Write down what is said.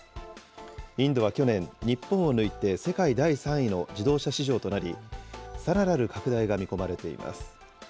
インドは去年、日本を抜いて世界第３位の自動車市場となり、さらなる拡大が見込まれています。